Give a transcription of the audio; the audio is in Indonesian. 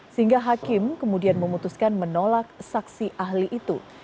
sehingga hakim kemudian memutuskan menolak saksi ahli itu